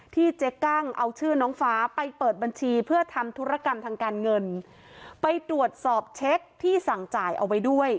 เจ๊กั้งเอาชื่อน้องฟ้าไปเปิดบัญชีเพื่อทำธุรกรรมทางการเงินไปตรวจสอบเช็คที่สั่งจ่ายเอาไว้ด้วย